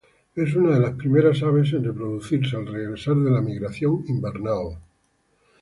Es una de las primeras aves en reproducirse al regresar de la migración invernal.